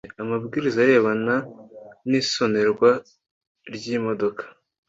Amabwiriza arebana n’isonerwa ry’imodoka